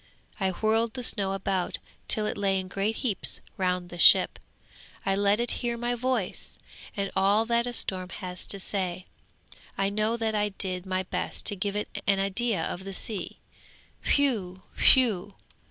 I whirled the snow about till it lay in great heaps round the ship. I let it hear my voice, and all that a storm has to say, I know that I did my best to give it an idea of the sea. Whew! whew!'